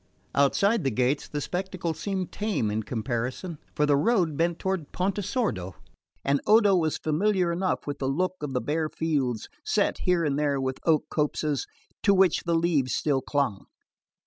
Outside the gates the spectacle seemed tame in comparison; for the road bent toward Pontesordo, and Odo was familiar enough with the look of the bare fields, set here and there with oak copses to which the leaves still clung.